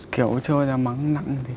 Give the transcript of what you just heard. kiểu trôi ra mắng nặng